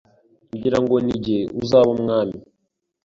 ngira ngo ni jye uzaba umwami